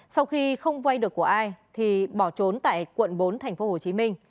sau khi không vay được của ai thì bỏ trốn tại quận bốn tp hcm